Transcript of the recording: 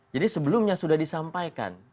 jadi sebelumnya sudah disampaikan